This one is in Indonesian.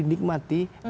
memang rakyat kecil